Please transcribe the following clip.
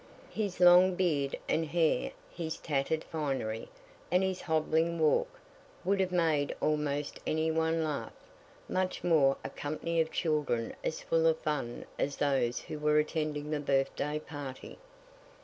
His long beard and hair, his tattered finery, and his hobbling walk, would have made almost any one laugh much more a company of children as full of fun as those who were attending the birthday party.